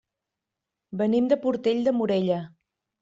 Venim de Portell de Morella.